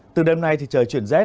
từ đêm nay thì trời chuyển z